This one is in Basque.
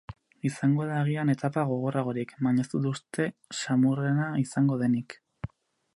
Izango da agian etapa gogorragorik, baina ez dut uste samurrena izango denik.